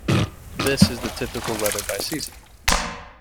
This is the typical weather by season.